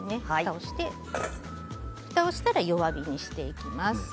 ふたをしたら弱火にします。